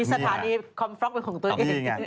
ฐานีคอมฟลอร์คเป็นของตัวเอง